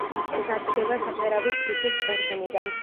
მზადდება საფერავის ჯიშის ყურძნიდან.